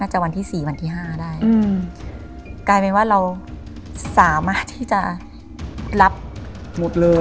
จะวันที่สี่วันที่ห้าได้อืมกลายเป็นว่าเราสามารถที่จะรับหมดเลย